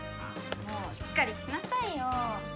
しっかりしなさいよ！